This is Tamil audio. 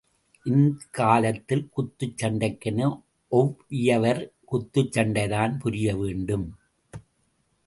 இக்காலத்தில் குத்துச் சண்டைக்கென ஒவ்வியவர் குத்துச் சண்டைதான் புரியவேண்டும்.